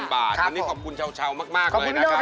ครับผมวันนี้ขอบคุณเช่ามากเลยนะครับ